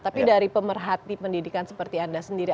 tapi dari pemerhati pendidikan seperti anda sendiri